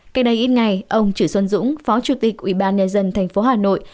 cách đây ít ngày ông trữ xuân dũng phó chủ tịch ủy ban nhà dân thành phố hà nội